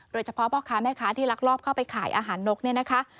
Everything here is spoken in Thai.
โดยเฉพาะพ่อค้าแม่ค้าที่ลักลอบเข้าไปขายอาหารนก